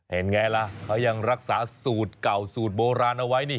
เห็นไงล่ะเขายังรักษาสูตรเก่าสูตรโบราณเอาไว้นี่